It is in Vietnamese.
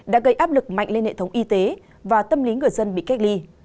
đã gây áp lực mạnh lên hệ thống y tế và tâm lý người dân bị cách ly